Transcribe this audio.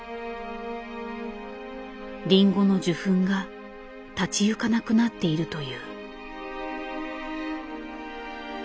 リンゴの受粉が立ち行かなくなっているという。